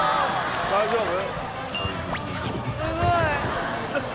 大丈夫！？